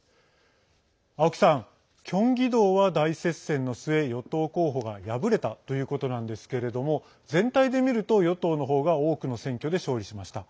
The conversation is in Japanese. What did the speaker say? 青木さんキョンギ道は大接戦の末与党候補が敗れたということなんですけれども全体で見ると、与党のほうが多くの選挙で勝利しました。